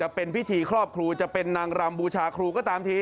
จะเป็นพิธีครอบครูจะเป็นนางรำบูชาครูก็ตามที